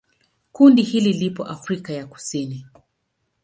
Kundi hili lipo Afrika ya Kusini.